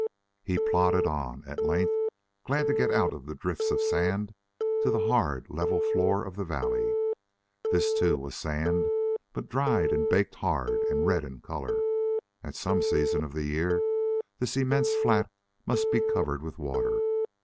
He plodded on, at length glad to get out of the drifts of sand to the hard level floor of the valley. This, too, was sand, but dried and baked hard, and red in color. At some season of the year this immense flat must be covered with water.